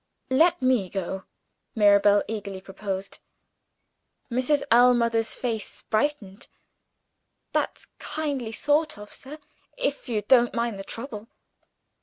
"Let me go!" Mirabel eagerly proposed. Mrs. Ellmother's face brightened. "That's kindly thought of, sir if you don't mind the trouble."